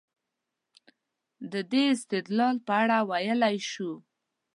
د دې استدلال په اړه ویلای شو.